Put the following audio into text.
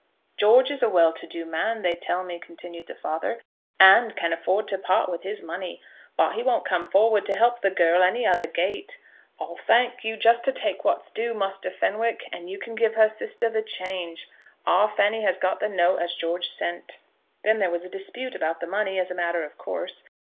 "George is a well to do man, they tell me," continued the father, "and can afford to part with his money. But he won't come forward to help the girl any other gait. I'll thank you just to take what's due, Muster Fenwick, and you can give her sister the change. Our Fanny has got the note as George sent." Then there was a dispute about the money, as a matter of course.